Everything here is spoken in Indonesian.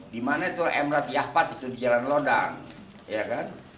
di mana itu emrat yahpat itu di jalan lodang